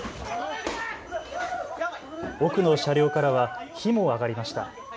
多くの車両からは火も上がりました。